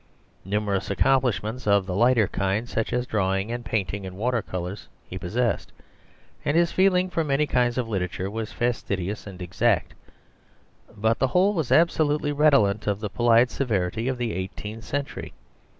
Numerous accomplishments of the lighter kind, such as drawing and painting in water colours, he possessed; and his feeling for many kinds of literature was fastidious and exact. But the whole was absolutely redolent of the polite severity of the eighteenth century.